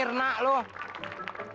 selamat malam com